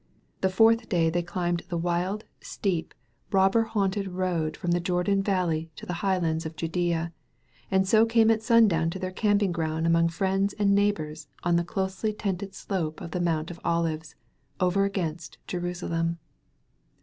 The fourth day they dimbed the wild, steep» robber hsmited road from the Jordan vall^ to the high lands of Judea, and so came at sundown to their camp ground among friends and neighbors on the closely tented slope of the Mount of 01ives» over against Jerusdem.